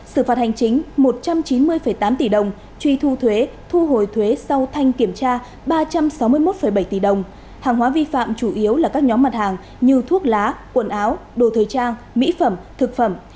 xử phạt hành chính một trăm chín mươi tám tỷ đồng truy thu thuế thu hồi thuế sau thanh kiểm tra ba trăm sáu mươi một bảy tỷ đồng hàng hóa vi phạm chủ yếu là các nhóm mặt hàng như thuốc lá quần áo đồ thời trang mỹ phẩm thực phẩm